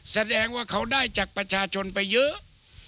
แสดงว่าเขาได้จากประชาชนไปเยอะ